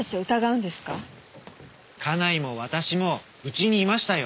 家内も私もうちにいましたよ。